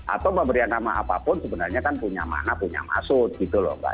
atau pemberian nama apapun sebenarnya kan punya makna punya maksud gitu loh mbak